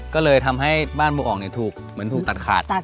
ก็เลยทำให้บ้านบัวอ่องถูกเหมือนถูกตัดขาด